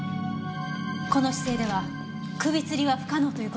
この姿勢では首吊りは不可能という事です。